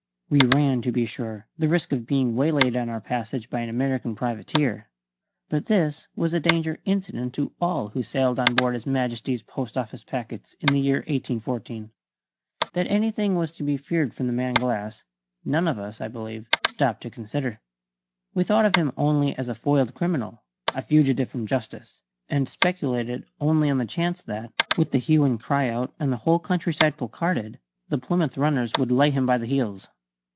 We ran, to be sure, the risk of being waylaid on our passage by an American privateer; but this was a danger incident to all who sailed on board his Majesty's Post Office packets in the year 1814. That anything was to be feared from the man Glass, none of us (I believe) stopped to consider. We thought of him only as a foiled criminal, a fugitive from justice, and speculated only on the chance that, with the hue and cry out and the whole countryside placarded, the Plymouth runners would lay him by the heels.